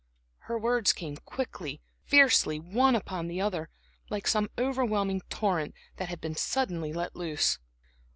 Her words came quickly, fiercely, one upon another, like some overwhelming torrent that had been suddenly let loose.